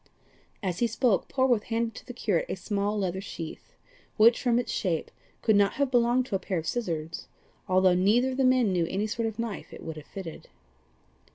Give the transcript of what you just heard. As he spoke Polwarth handed to the curate a small leather sheath, which, from its shape, could not have belonged to a pair of scissors, although neither of the men knew any sort of knife it would have fitted.